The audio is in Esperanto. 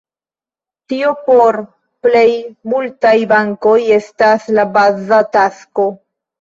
Tio por plej multaj bankoj estas la baza tasko.